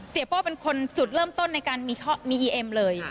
โป้เป็นคนจุดเริ่มต้นในการมีอีเอ็มเลย